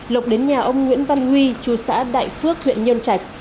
lộc đến nhà ông nguyễn văn huy chú xã đại phước huyện nhân trạch